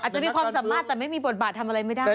จะมีความสามารถแต่ไม่มีบทบาททำอะไรไม่ได้